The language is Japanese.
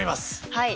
はい。